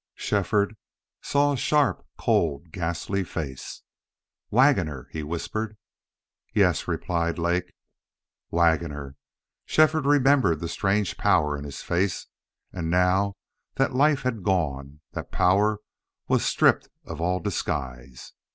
Shefford saw a sharp, cold, ghastly face. "WAGGONER!" he whispered. "Yes," replied Lake. Waggoner! Shefford remembered the strange power in his face, and, now that life had gone, that power was stripped of all disguise.